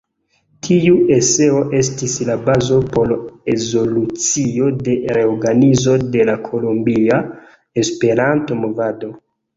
Tiu eseo estis la bazo por rezolucio de reorganizo de la Kolombia Esperanto-Movado.